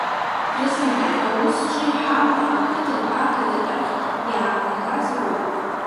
Рызынтәык, аус зҿы иҳамоу, ақыҭантә ақалақь ахь иаанагаз роуп.